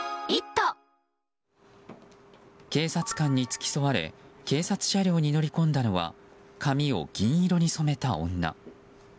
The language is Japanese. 警察官に付き添われ警察車両に乗り込んだのは髪を銀色に染めた女。